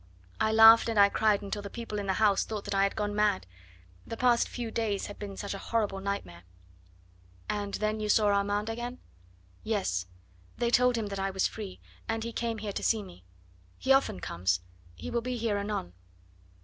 I laughed and I cried until the people in the house thought that I had gone mad. The past few days had been such a horrible nightmare." "And then you saw Armand again?" "Yes. They told him that I was free. And he came here to see me. He often comes; he will be here anon."